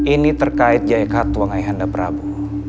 ini terkait jaya katuang ayah anda prabu